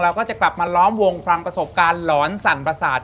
ก็จะกลับมาล้อมวงฟังประสบการณ์หลอนสั่นประสาท